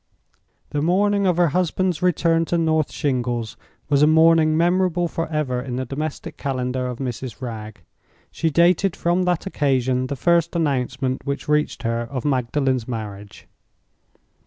The morning of her husband's return to North Shingles was a morning memorable forever in the domestic calendar of Mrs. Wragge. She dated from that occasion the first announcement which reached her of Magdalen's marriage.